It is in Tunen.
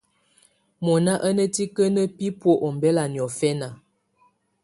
Mɔ̀na à ná tikǝ́nǝ́ bibuǝ́ ɔmbɛla niɔ̀fɛna.